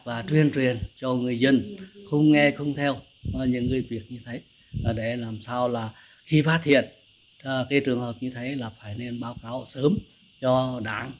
và tuyên truyền cho người dân không nghe không theo những việc như thế để làm sao là khi phát hiện cái trường hợp như thế là phải nên báo cáo sớm cho đảng